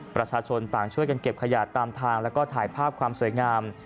ประชาชนต่างช่วยกันเก็บขยะตามทางแล้วก็ถ่ายภาพความสวยงาม